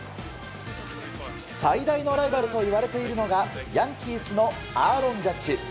最大のライバルといわれているのが、ヤンキースのアーロン・ジャッジ。